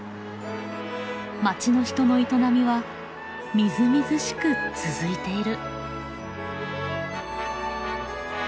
街の人の営みはみずみずしく続いている。